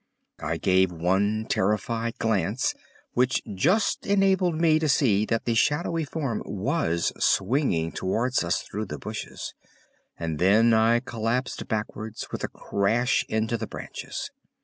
_" I gave one terrified glance, which just enabled me to see that the shadowy form was swinging towards us through the bushes, and then I collapsed backwards with a crash into the branches.